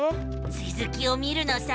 つづきを見るのさ！